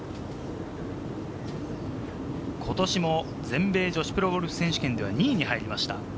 ことしも全米女子プロゴルフ選手権で２位に入りました。